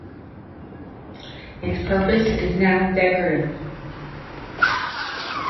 Its purpose is now decorative.